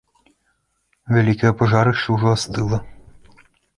Вялікае пажарышча ўжо астыла.